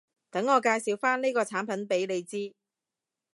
等我介紹返呢個產品畀你知